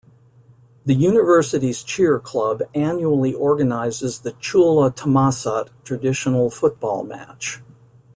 The University's Cheer Club annually organizes the Chula-Thammasat traditional football match.